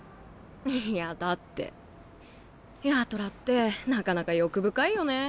いやだって八虎ってなかなか欲深いよね。